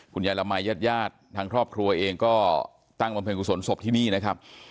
ยายละมัยญาติญาติทางครอบครัวเองก็ตั้งบำเพ็ญกุศลศพที่นี่นะครับ